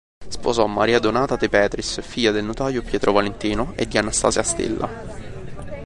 Sposò Maria Donata de Petris, figlia del notaio Pietro Valentino e di Anastasia Stella.